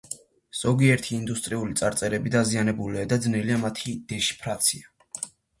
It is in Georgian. ზოგიერთი ინდუისტური წარწერები დაზიანებულია და ძნელია მათი დეშიფრაცია.